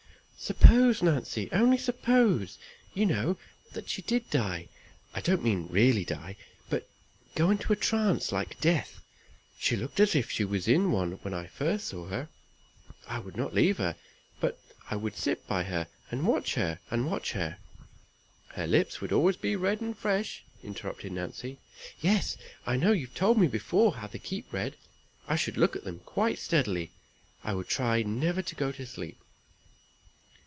"Suppose, Nancy! only suppose, you know, that she did die. I don't mean really die, but go into a trance like death; she looked as if she was in one when I first saw her; I would not leave her, but I would sit by her, and watch her, and watch her." "Her lips would be always fresh and red," interrupted Nancy. "Yes, I know you've told me before how they keep red I should look at them quite steadily; I would try never to go to sleep."